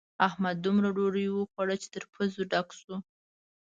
احمد دومره ډوډۍ وخوړه چې تر پزې ډک شو.